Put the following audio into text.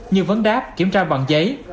như vấn đáp kiểm tra bằng giấy